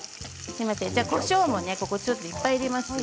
こしょうもここいっぱい入れますよ。